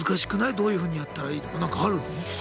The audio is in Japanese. どういうふうにやったらいいとかなんかあるの？